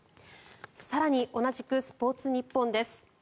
更に同じくスポーツニッポンです。